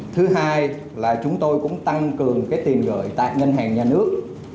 thứ hai là chúng tôi cũng tăng cường cái tiền gửi tại ngân hàng nhà nước